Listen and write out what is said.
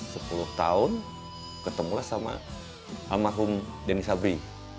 sepuluh tahun ketemulah sama almarhum denny sabri